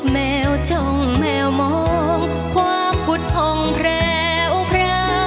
แมวจ้องแมวมองความผุดผ่องแพรวพระ